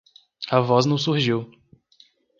A voz não surgiu.